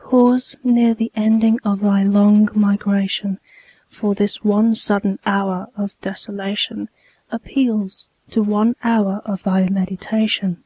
Pause near the ending of thy long migration; For this one sudden hour of desolation Appeals to one hour of thy meditation.